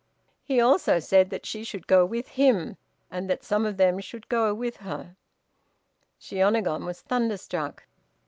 He also said she should go with him, and that some of them should go with her. Shiônagon was thunderstruck.